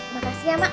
mak kesian nama lo